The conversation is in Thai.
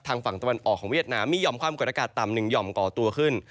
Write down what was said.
ฝั่งตะวันออกของเวียดนามมีห่อมความกดอากาศต่ำหนึ่งหย่อมก่อตัวขึ้น